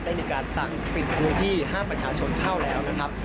ได้มีการสั่งปิดพื้นที่ห้ามประชาชนเข้าแล้วนะครับ